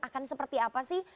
akan seperti apa sih